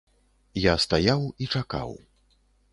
Я стаяў і чакаў.